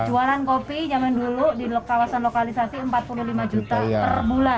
jualan kopi zaman dulu di kawasan lokalisasi empat puluh lima juta per bulan